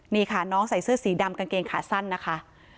นี่ค่ะน้องใส่เสื้อสีดำกางเกงขาสั้นนะคะ